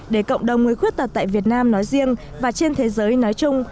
để cộng đồng người khuyết tật tại việt nam nói riêng và trên thế giới nói chung